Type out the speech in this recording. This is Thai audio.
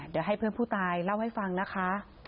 หน่าให้ว่าเพื่อนผู้ตายเล่าให้ฟังนะคะ